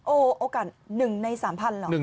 โอ้โหโอกาส๑ใน๓๐๐๐หรือ